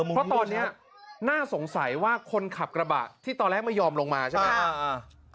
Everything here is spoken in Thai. เพราะตอนนี้น่าสงสัยว่าคนขับกระบะที่ตอนแรกไม่ยอมลงมาใช่ไหม